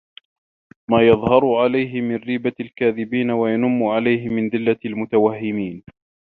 مَا يَظْهَرُ عَلَيْهِ مِنْ رِيبَةِ الْكَذَّابِينَ وَيَنُمُّ عَلَيْهِ مِنْ ذِلَّةِ الْمُتَوَهِّمِينَ